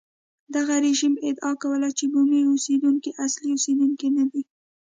دغه رژیم ادعا کوله چې بومي اوسېدونکي اصلي اوسېدونکي نه دي.